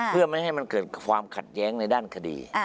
เพื่อไม่ให้มันเกิดความขัดแย้งในด้านคดี